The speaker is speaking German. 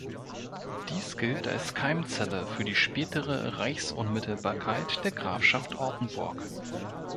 Dies gilt als Keimzelle für die spätere Reichsunmittelbarkeit der Grafschaft Ortenburg.